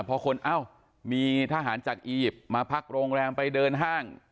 พอคนเอ้ามีทหารจากอียิปต์มาพักโรงแรมไปเดินห้าง